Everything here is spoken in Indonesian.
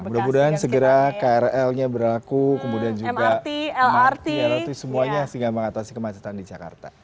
mudah mudahan segera krl nya berlaku kemudian juga mrt lrt semuanya sehingga mengatasi kemacetan di jakarta